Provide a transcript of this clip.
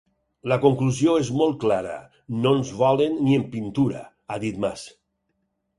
La conclusió és molt clara: no ens volen ni en pintura –ha dit Mas–.